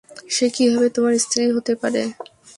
সে কিভাবে তোমার স্ত্রী হতে পারে?